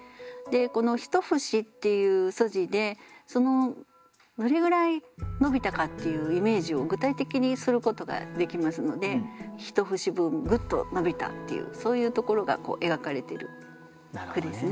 この「一節」っていうどれぐらい伸びたかっていうイメージを具体的にすることができますので一節分グッと伸びたっていうそういうところが描かれている句ですね。